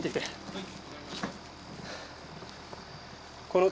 はい。